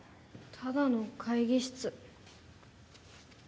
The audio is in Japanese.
ただの会議室。